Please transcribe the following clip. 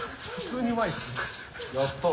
やった！